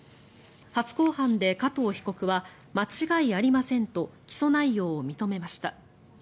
初公判で加藤被告は間違いありませんと起訴内容を認めました。